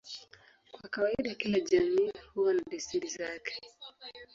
Kwa kawaida kila jamii huwa na desturi zake.